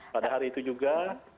pada hari itu juga